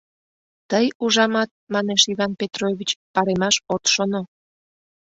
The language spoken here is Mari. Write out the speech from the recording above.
— Тый, ужамат, манеш Иван Петрович, паремаш от шоно.